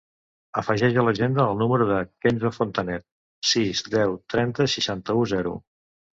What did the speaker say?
Afegeix a l'agenda el número del Kenzo Fontanet: sis, deu, trenta, seixanta-u, zero.